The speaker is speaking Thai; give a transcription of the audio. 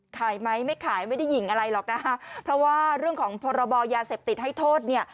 ขายไหมไม่ขายไม่ได้หญิงอะไรหรอกนะคะเพราะว่าเรื่องของพรบยาเสพติดให้โทษเนี่ย